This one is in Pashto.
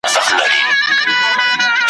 نه په شرم نه گناه به څوك پوهېږي `